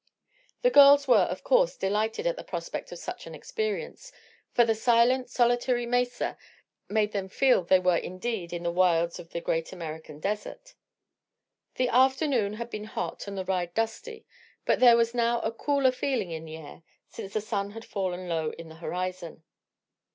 The girls were, of course, delighted at the prospect of such an experience, for the silent, solitary mesa made them feel they were indeed "in the wilds of the Great American Desert." The afternoon had been hot and the ride dusty, but there was now a cooler feeling in the air since the sun had fallen low in the horizon.